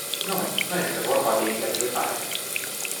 Nu, nu este vorba de interpretare.